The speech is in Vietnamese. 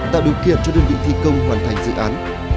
tạo điều kiện cho đơn vị thi công hoàn thành dự án